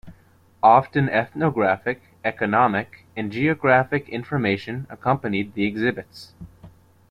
Often ethnographic, economic, and geographic information accompanied the exhibits.